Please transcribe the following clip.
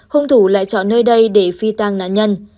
khung thủ lại chọn nơi đây để phi tan nạn nhân